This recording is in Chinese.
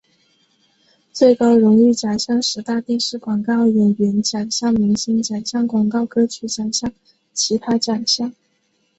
最高荣誉奖项十大电视广告演员奖项明星奖项广告歌曲奖项其他奖项